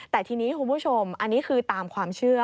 แต่ทีนี้คุณผู้ชมอันนี้คือตามความเชื่อ